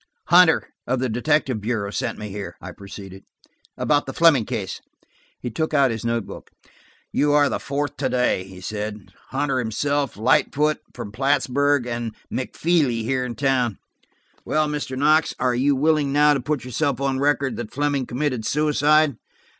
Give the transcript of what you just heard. "Hunter, of the detective bureau, sent me here," I proceeded, "about the Fleming case." He took out his note book. "You are the fourth to day," he said. "Hunter himself, Lightfoot from Plattsburg, and McFeely here in town. Well, Mr. Knox, are you willing now to put yourself on record that Fleming committed suicide?"